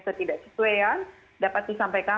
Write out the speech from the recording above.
ketidak sesuaian dapat disampaikan